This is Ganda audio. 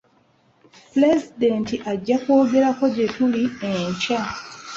Pulezidenti ajja kwogerako gye tuli enkya.